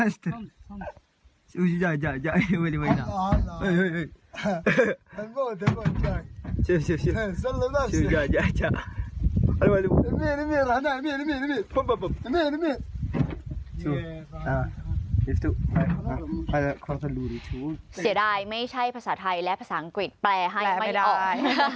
เสียดายไม่ใช่ภาษาไทยและภาษาอังกฤษแปลให้ไม่ได้